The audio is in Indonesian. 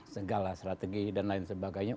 segala strategi dan lain sebagainya